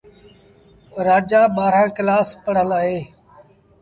رآجآ ٻآهرآݩ ڪلآس پڙهل اهي۔